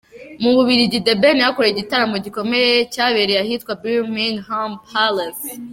Mu Bubiligi The Ben yahakoreye igitaramo gikomeye cyabereye ahitwa Birmingham Palace.